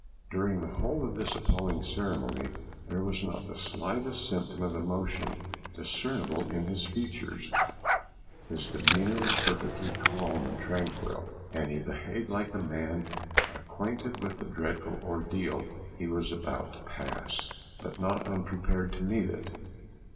During the whole of this appalling ceremony, there was not the slightest symptom of emotion discernible in his features; his demeanour was perfectly calm and tranquil, and he behaved like a man acquainted with the dreadful ordeal he was about to pass, but not unprepared to meet it.